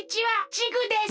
チグです。